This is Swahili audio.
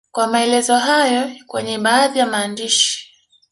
kwa maelezo yaliyo kwenye baadhi ya maandishi